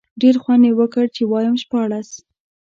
ډېر خوند یې وکړ، چې وایم شپاړس.